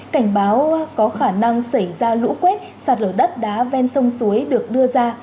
cảnh báo có khả năng xảy ra lũ quét sạt lở đất đá ven sông suối được đưa ra